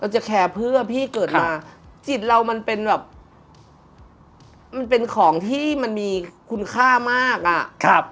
จะแคร์เพื่อพี่เกิดมาจิตเรามันเป็นแบบมันเป็นของที่มันมีคุณค่ามากอ่ะครับ